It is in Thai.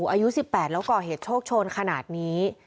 อายุ๑๘แล้วก่อเหตุโชคโชนขนาดนี้